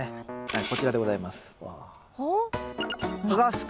はいこちらでございます。